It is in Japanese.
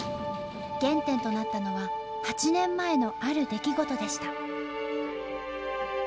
原点となったのは８年前のある出来事でした。